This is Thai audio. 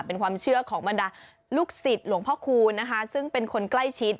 เป็นความเชื่อของบรรดาลูกศิษย์หลวงพ่อคูณนะคะซึ่งเป็นคนใกล้ชิด